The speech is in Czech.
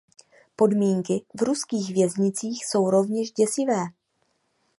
Podmínky v ruských věznicích jsou rovněž děsivé.